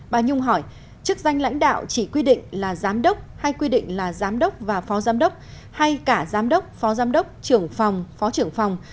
bà nhung hỏi chức danh lãnh đạo chỉ quy định là giám đốc hay quy định là giám đốc và phó giám đốc hay cả giám đốc phó giám đốc trưởng phòng phó trưởng phòng